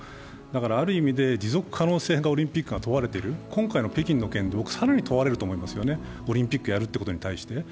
ある意味で持続可能性がオリンピックが問われている、今回の北京の件で、更に問われると思いますよね、オリンピックやるってことに対してね。